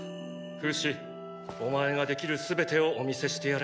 フシお前ができる全てをお見せしてやれ。